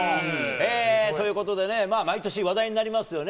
ということでね、毎年話題になりますよね。